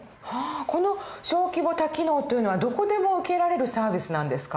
この小規模多機能というのはどこでも受けられるサービスなんですか？